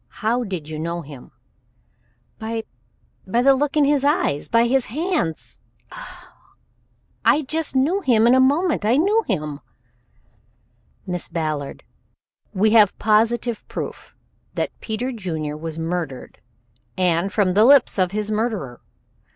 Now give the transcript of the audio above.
How did you know him?" "By by the look in his eyes by his hands Oh! I just knew him in a moment. I knew him." "Miss Ballard, we have positive proof that Peter Junior was murdered and from the lips of his murderer.